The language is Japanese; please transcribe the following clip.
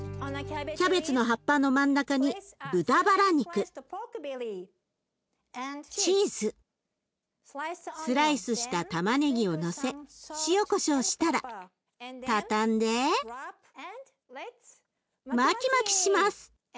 キャベツの葉っぱの真ん中に豚バラ肉チーズスライスしたたまねぎをのせ塩こしょうしたら畳んでマキマキします。